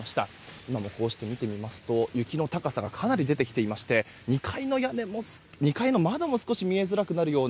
今もこうして見てみますと雪の高さがかなり出てきていまして２階の窓も少し見えづらくなるような